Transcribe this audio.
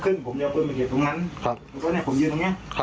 ปืนมันลั่นไปใส่แฟนสาวเขาก็ยังยันกับเราเหมือนเดิมแบบนี้นะคะ